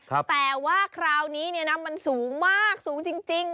แต่ว่าคราวนี้เนี่ยนะมันสูงมากสูงจริง